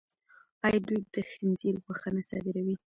آیا دوی د خنزیر غوښه نه صادروي؟